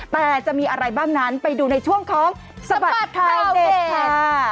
แต่จะมีอะไรบ้างนั้นไปดูในช่วงของสบัดข่าวเด็ดค่ะ